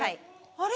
あれ？